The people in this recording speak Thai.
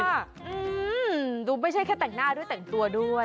อืมดูไม่ใช่แค่แต่งหน้าด้วยแต่งตัวด้วย